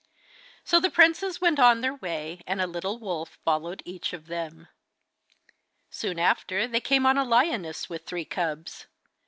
So the princes went on their way, and a little wolf followed each of them. Soon after they came on a lioness with three cubs.